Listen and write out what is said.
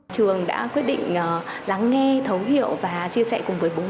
trường đã quyết định lắng nghe thấu hiệu và chia sẻ cùng với bác sĩ